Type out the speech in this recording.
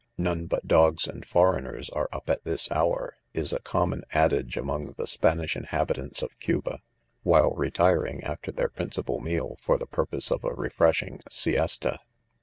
" None but dogs and foreign" ers are up at this hour/ 3 is a common adage among the* Spanish inhabitants of Cuba, while retiring, after their principal meal, for the purpose of a refreshing " siesta."